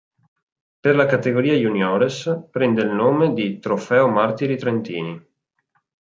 Per la categoria Juniores prende il nome di "Trofeo Martiri Trentini".